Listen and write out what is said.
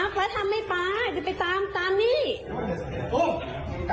เกร็งลุง